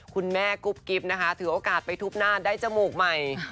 คุณแม่กุ๊บกิ๊บนะคะถือโอกาสไปทุบหน้าได้จมูกใหม่